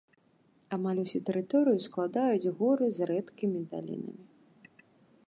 Амаль усю тэрыторыю складаюць горы з рэдкімі далінамі.